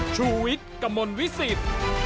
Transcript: ชุวิตกมลวิสิต